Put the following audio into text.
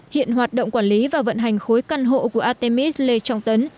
hiện hoạt động quản lý và vận hành khối căn hộ của artemis lê trọng tấn